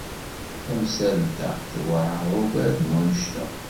Tamsalt-a tewɛeṛ ugar n wanect-a.